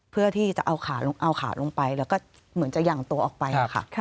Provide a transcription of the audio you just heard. เพื่อที่จะเอาขาลงไปแล้วก็เหมือนจะหยั่งตัวออกไปค่ะ